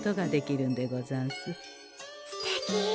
すてき。